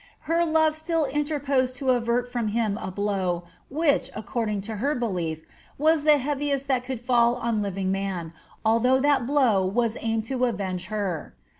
Her love still interposed to avert from him a blow, which, according to her belief, was the heaviest that could fall on living man, although that blow was aimed to avenge her.